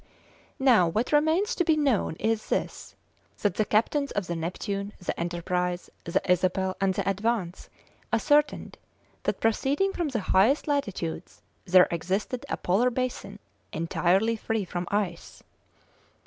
Now what remains to be known is this, that the captains of the Neptune, the Enterprise, the Isabel, and the Advance ascertained that proceeding from the highest latitudes there existed a Polar basin entirely free from ice."